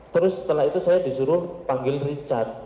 terus setelah itu saya disuruh panggil richard